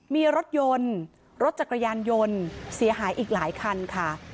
มีรถยนต์รถจักรยานยนต์เสียหายอีกหลายคันค่ะ